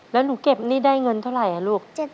แล้วหนูเก็บหนี้ได้เงินเท่าไหร่ลูก